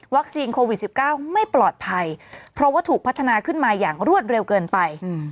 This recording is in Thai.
โควิด๑๙ไม่ปลอดภัยเพราะว่าถูกพัฒนาขึ้นมาอย่างรวดเร็วเกินไป